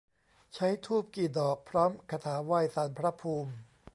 ใช้ธูปกี่ดอก พร้อมคาถาไหว้ศาลพระภูมิ